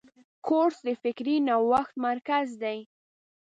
کورس د فکري نوښت مرکز دی.